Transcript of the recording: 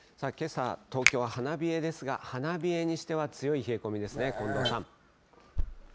けさ、東京は花冷えですが、花冷えにしては強い冷え込みですね、近藤さ